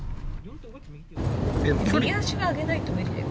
右足上げないと無理だよ。